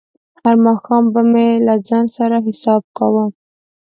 هر ماښام به مې له ځان سره حساب کاوه.